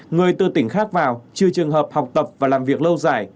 người từ tỉnh khác vào trừ trường hợp học tập và làm việc lâu dài